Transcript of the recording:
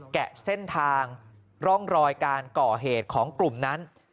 แกะเส้นทางร่องรอยการก่อเหตุของกลุ่มนั้น